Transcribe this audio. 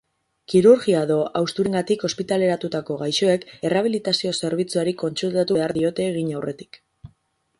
Kirurgia edo hausturengatik ospitaleratutako gaixoek errehabilitazio-zerbitzuari kontsultatu behar diote egin aurretik.